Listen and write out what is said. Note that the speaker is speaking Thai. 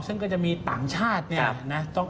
ซึ่งก็จะมีต่างชาติเนี่ยนะ